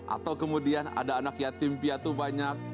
atau kemudian ada anak yatim piatu banyak